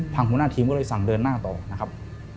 หัวหน้าทีมก็เลยสั่งเดินหน้าต่อนะครับ